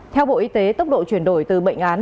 theo bộ y tế tốc độ chuyển đổi từ bệnh án